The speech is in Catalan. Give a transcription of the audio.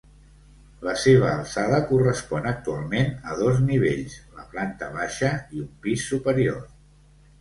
La seva alçada correspon actualment a dos nivells, la planta baixa i un pis superior.